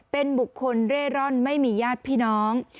เป็นบุคคลเร่ร่อนไม่มีญาติพี่น้อง